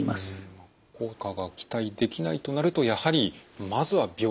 効果が期待できないとなるとやはりまずは病院にと。